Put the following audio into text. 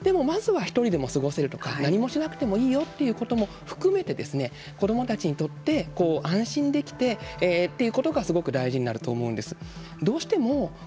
でも、まずは１人でも過ごせるとか何もしなくてもいいよということも含めて子どもたちにとって安心できてということがすごく大事になると思うんです。